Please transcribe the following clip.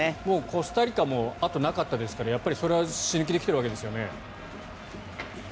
コスタリカも後がなかったですからやっぱりそれは死ぬ気で来ているわけですよね。